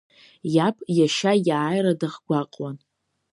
Иаб иашьа иааира дахгәаҟуан.